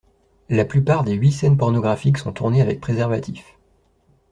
La plupart des huit scènes pornographiques sont tournées avec préservatif.